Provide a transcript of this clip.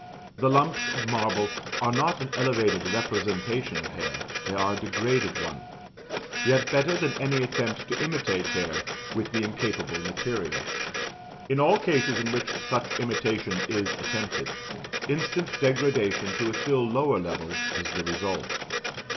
The lumps of marble are not an elevated representation of hair they are a degraded one; yet better than any attempt to imitate hair with the incapable material. In all cases in which such imitation is attempted, instant degradation to a still lower level is the result.